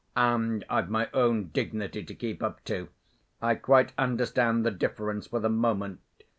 And I've my own dignity to keep up, too. I quite understand the difference for the moment.